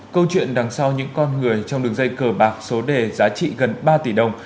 câu chuyện đằng sau những con người trong đường dây cờ bạc số đề giá trị gần ba tỷ đồng